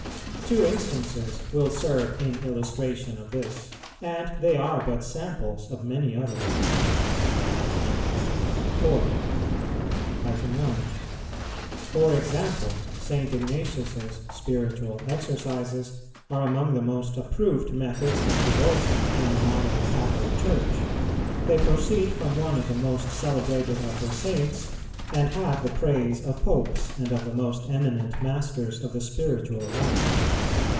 Two instances will serve in illustration of this, and they are but samples of many others.[428:1] 4. (1.) For example, St. Ignatius' Spiritual Exercises are among the most approved methods of devotion in the modern Catholic Church; they proceed from one of the most celebrated of her Saints, and have the praise of Popes, and of the most eminent masters of the spiritual life.